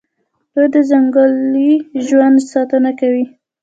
دوی د ځنګلي ژوند ساتنه کوي.